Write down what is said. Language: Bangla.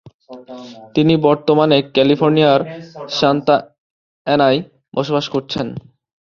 তিনি বর্তমানে ক্যালিফোর্নিয়ার সান্তা অ্যানায় বসবাস করছেন।